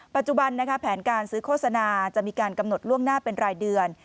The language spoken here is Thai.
ปัจจุบันแผนการซื้อโฆษณาจะมีการกำหนดล่วงหน้าเป็นรายเดือน